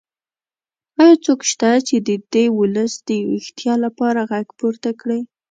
ایا څوک شته چې د دې ولس د ویښتیا لپاره غږ پورته کړي؟